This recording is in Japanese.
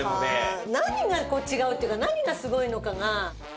何が違うっていうか何がすごいのかが。